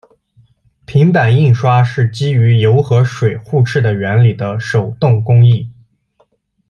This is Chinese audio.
平版印刷是基于油和水互斥的原理的手动工艺。